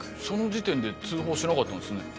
その時点で通報しなかったんすね？